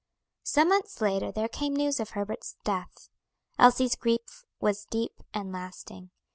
Some months later there came news of Herbert's death. Elsie's grief was deep and lasting.